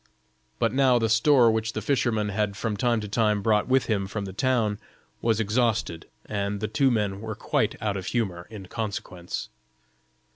But now the store which the fisherman had from time to time brought with him from the town, was exhausted, and the two men were quite out of humor in consequence.